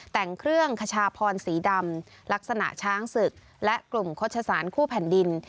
แต่งเครื่องขชาพรสีดำลักษณะช้างศึกและกลุ่มโฆษศาลคู่แผ่นดิน